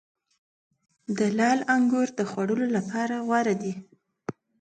د لعل انګور د خوړلو لپاره غوره دي.